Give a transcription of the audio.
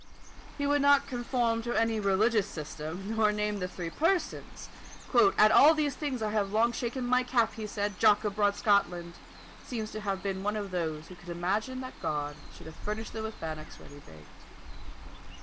He would not conform to any religious system, nor name the three Persons, "At all these things I have long shaken my cap," he said. "Jock of broad Scotland" seems to have been one of those who imagine that God should have furnished them with bannocks ready baked.